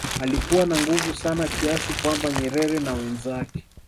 alikuwa na nguvu sana kiasi kwamba Nyerere na wenzake